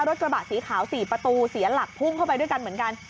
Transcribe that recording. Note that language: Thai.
รถกระบะสีขาว๔ประตูเสียหลักพุ่งเข้าไปด้วยกันเหมือนกัน